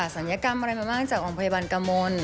สัญญากรรมอะไรมากจากองค์พยาบาลกามล